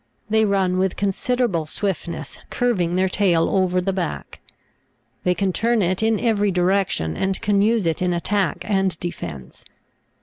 They run with considerable swiftness, curving their tail over the back. They can turn it in every direc tion, and can use it in attack and defence.